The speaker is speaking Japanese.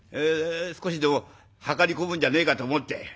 少しでも量り込むんじゃねえかと思って」。